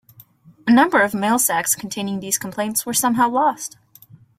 A number of mail sacks containing these complaints were somehow lost.